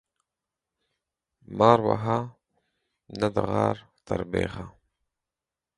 مار وهه ، نه د غار تر بيخه.